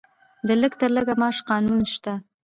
د لږ تر لږه معاش قانون شته؟